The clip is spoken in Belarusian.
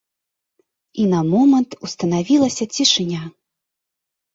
І на момант устанавілася цішыня.